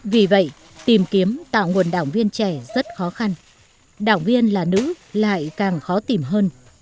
vì vậy tìm kiếm tạo nguồn đảng viên trẻ rất khó khăn đảng viên là nữ lại càng khó tìm hơn